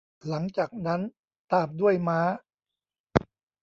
หลังจากนั้นตามด้วยม้า